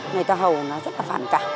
người ta hầu nó rất là phản cảm